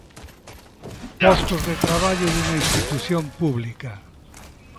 Postos de traballo dunha institución pública.